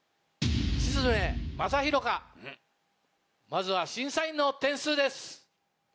まずは審査員の点数です。